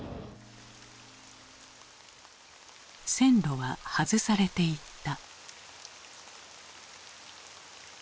線路は外されていった。